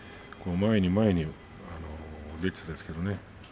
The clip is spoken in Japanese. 前に前に出ていったんですけれどもね。